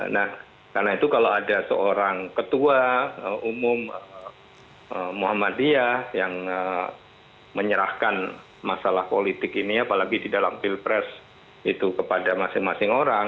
nah karena itu kalau ada seorang ketua umum muhammadiyah yang menyerahkan masalah politik ini apalagi di dalam pilpres itu kepada masing masing orang